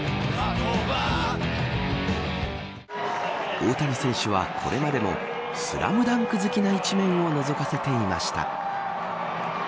大谷選手は、これまでもスラムダンク好きな一面をのぞかせていました。